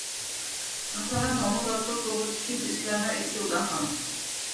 হাসানের ধর্মতত্ত্ব প্রগতিশীল ইসলামের একটি উদাহরণ।